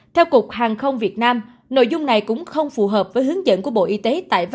theo cục hàng không việt nam nội dung này cũng không phải là một phương án liên quan đến việc triển khai cách ly